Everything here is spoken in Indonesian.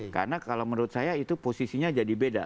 karena kalau menurut saya itu posisinya jadi beda